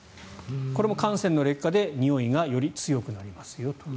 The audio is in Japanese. これも汗腺の劣化でにおいがより強くなりますよと。